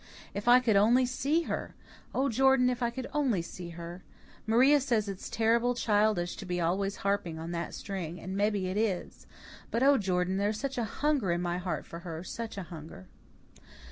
If I could only see her! Oh, Jordan, if I could only see her! Maria says it's terrible childish to be always harping on that string, and mebbe it is. But oh, Jordan, there's such a hunger in my heart for her, such a hunger!"